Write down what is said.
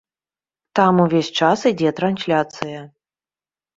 Там увесь час ідзе трансляцыя.